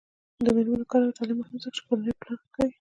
د میرمنو کار او تعلیم مهم دی ځکه چې کورنۍ پلان ښه کوي.